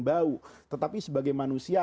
bau tetapi sebagai manusia